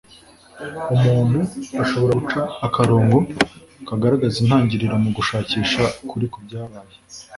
umuntu ashobora guca akarongo kagaragaza intangiro mu gushakisha ukuri ku byabaye